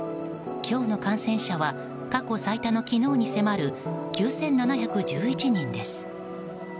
今日の感染者は過去最多の昨日に迫る、９７１１人です。